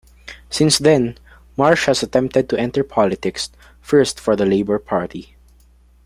Since then, Marsh has attempted to enter politics, first for the Labour Party.